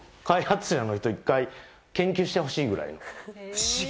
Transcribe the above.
不思議。